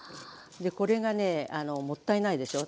これがねもったいないでしょ。